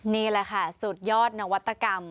ไม่ขาวใช่มั้ยครับ